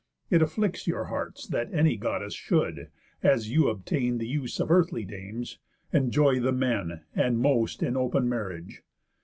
It afflicts your hearts, That any Goddess should, as you obtain The use of earthly dames, enjoy the men, And most in open marriage.